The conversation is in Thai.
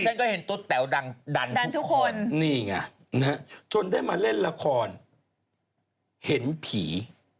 ฉันก็เห็นตัวแต๋วดังดันทุกคนนี่ไงจนได้มาเล่นละครเห็นผี